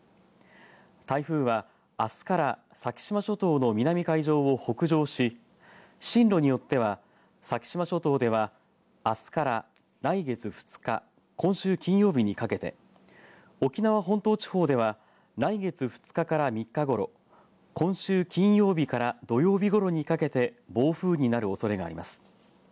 台風はあすから先島諸島の南海上を北上し進路によっては先島諸島ではあすから来月２日今週金曜日にかけて沖縄本島地方では来月２日から３日ごろ今週金曜日から土曜日ごろにかけて暴風になるおそれがあります。